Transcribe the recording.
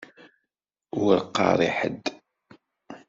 Ur qqaṛ i ḥed.